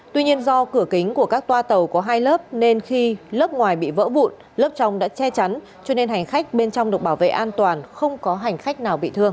tuy nhiên do cửa kính của các toa tàu có hai lớp nên khi lớp ngoài bị vỡ vụn lớp trong đã che chắn cho nên hành khách bên trong được bảo vệ an toàn không có hành khách nào bị thương